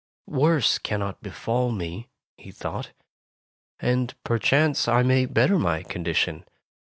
"Worse cannot befall me," he thought, "and perchance I may better my condi tion.